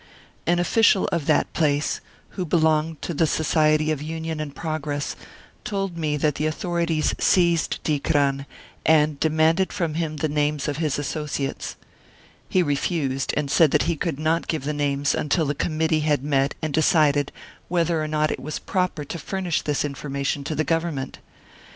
An official of that place, who belonged to the Society of Union and Progress, told me that the authorities seized Dikran and demanded from him the names of his associates. He refused, and said that he could not give the names until the committee had met and decided whether or not it was proper to furnish this information to the Government.